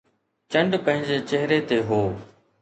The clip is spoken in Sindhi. چنڊ پنهنجي چهري تي هو